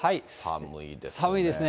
寒いですね。